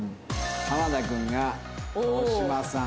花田君が大島さん。